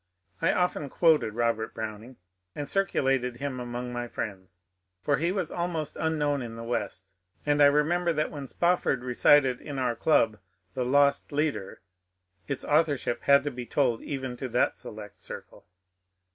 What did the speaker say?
I often quoted Robert Browning, and circulated him among my friends ; for he was almost unknown in the West, and I remember that when Spofford recited in our club ^^ The Lost Leader," its authorship had to be told even to that select circle.